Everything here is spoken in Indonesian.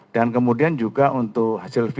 dan kemudian juga untuk hasil pelaku ya